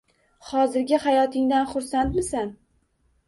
Hozirgi hayotingdan xursandmisan